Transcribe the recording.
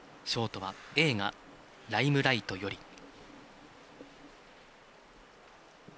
ショートは映画「ライムライト」より。